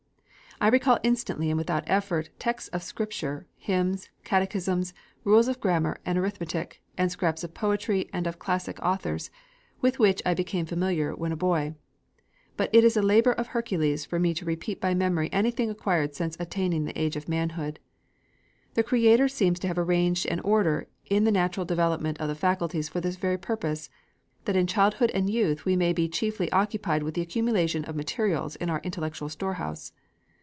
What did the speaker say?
I recall instantly and without effort, texts of Scripture, hymns, catechisms, rules of grammar and arithmetic, and scraps of poetry and of classic authors, with which I became familiar when a boy. But it is a labor of Hercules for me to repeat by memory anything acquired since attaining the age of manhood. The Creator seems to have arranged an order in the natural development of the faculties for this very purpose, that in childhood and youth we may be chiefly occupied with the accumulation of materials in our intellectual storehouse.